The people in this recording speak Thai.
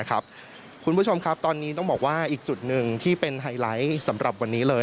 คุณผู้ชมครับตอนนี้ต้องบอกว่าอีกจุดหนึ่งที่เป็นไฮไลท์สำหรับวันนี้เลย